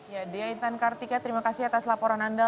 ya dea intan kartika terima kasih atas laporan anda